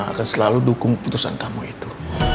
akan selalu dukung keputusan kamu itu